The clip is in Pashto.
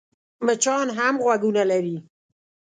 مچان هم غوږونه لري .